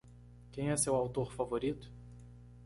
Quem é seu autor favorito?